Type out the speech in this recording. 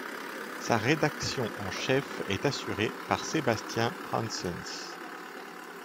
Sa rédaction en chef est assurée par Sébastien Hanssens.